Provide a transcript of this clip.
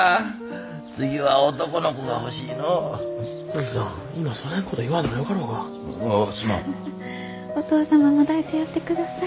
フフッお義父様も抱いてやってください。